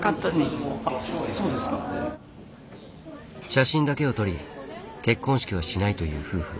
写真だけを撮り結婚式はしないという夫婦。